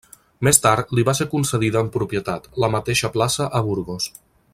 Més tard li va ser concedida en propietat, la mateixa plaça a Burgos.